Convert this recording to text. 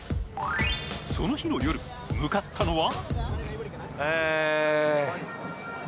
その日の夜、向かったのが。